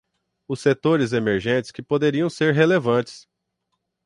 Os setores emergentes que poderiam ser relevantes.